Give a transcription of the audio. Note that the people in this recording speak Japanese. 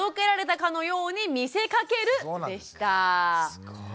すごい。